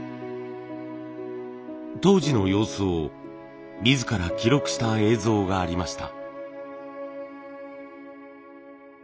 当時の様子を自ら記録した映像がありました。